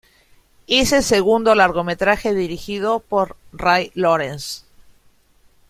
Es el segundo largometraje dirigido por Ray Lawrence.